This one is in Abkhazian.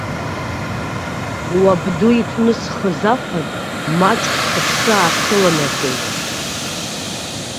Уабду иҭнысхыз афатә маҷк сыԥсы аасыланаҵеит.